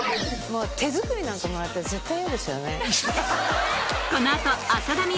もう手作りなんかもらったら絶対嫌ですよね。